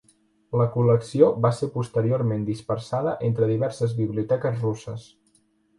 La col·lecció va ser posteriorment dispersada entre diverses biblioteques russes.